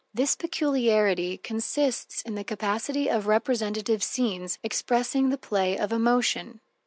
This peculiarity consists in the capacity of representative scenes expressing the play of emotion.